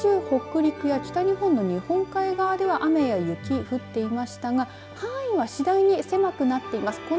北陸や北日本の日本海側では雨や雪、降っていましたが範囲は次第に狭くなっています。